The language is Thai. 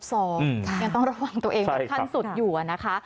ยังต้องระวังตัวเองค่อนข้างสุดอยู่นะคะ